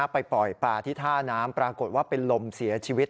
ไปปล่อยปลาที่ท่าน้ำปรากฏว่าเป็นลมเสียชีวิต